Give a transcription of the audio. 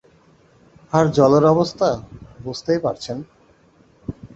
আর জলের অবস্থা, বুঝতেই পারছেন?